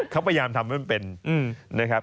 เขาพยายามทำให้มันเป็นนะครับ